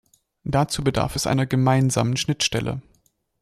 Dazu bedarf es einer gemeinsamen Schnittstelle.